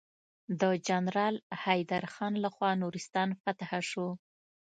د جنرال حيدر خان لخوا نورستان فتحه شو.